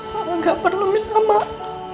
pak pak enggak perlu minta maaf